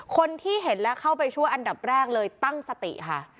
คนที่เห็นและเข้าไปช่วยอันดับแรกเลยตั้งสติค่ะ